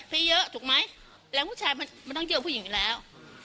ไปเยอะถูกไหมแรงผู้ชายมันต้องเยอะผู้หญิงกันแล้ว